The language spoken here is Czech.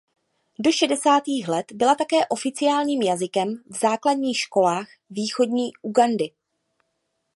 Do šedesátých let byla také oficiálním jazykem v základních školách Východní Ugandy.